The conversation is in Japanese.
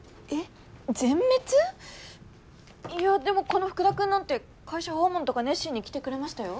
いやでもこの福田君なんて会社訪問とか熱心に来てくれましたよ。